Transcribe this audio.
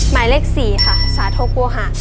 หมายเลข๔ค่ะสาธกโวหาร